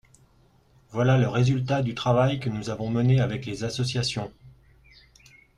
Voilà le résultat du travail que nous avons mené avec les associations.